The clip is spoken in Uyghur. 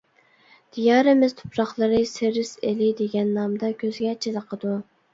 دىيارىمىز تۇپراقلىرى «سېرىس ئېلى» دېگەن نامدا كۆزگە چېلىقىدۇ.